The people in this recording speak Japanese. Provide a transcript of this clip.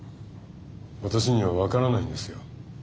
私には分からないんですよ。